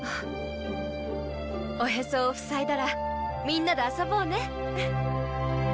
おへそを塞いだらみんなで遊ぼうね。